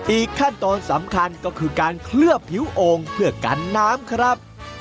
อีกขั้นตอนสำคัญก็คือการเคลือบผิวโอ่งเพื่อกันน้ำครับ